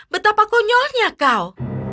betapa konyolnya kau